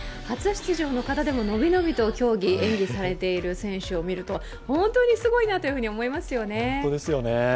初出場の方でものびのびと競技、演技されている姿を見ると本当にすごいなと思いますよね。